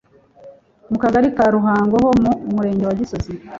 mu Kagali ka Ruhango ho mu Murenge wa Gisozi